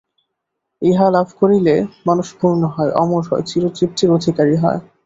ইহা লাভ করিলে মানুষ পূর্ণ হয়, অমর হয়, চিরতৃপ্তির অধিকারী হয়।